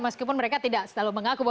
meskipun mereka tidak selalu mengaku